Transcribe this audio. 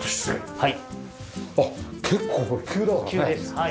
はい。